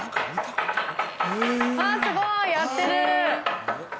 あっ、すごい！やってる。